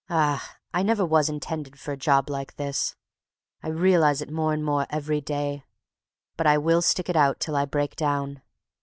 Ah! I never was intended for a job like this. I realize it more and more every day, but I will stick it out till I break down.